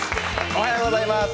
おはようございます。